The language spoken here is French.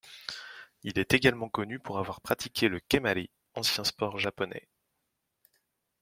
Il est également connu pour avoir pratiqué le kemari, ancien sport japonais.